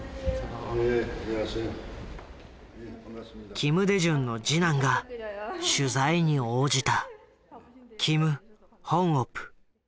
金大中の次男が取材に応じた。